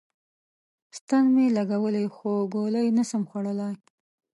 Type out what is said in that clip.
ستن می لګولی خو ګولی نسم خوړلای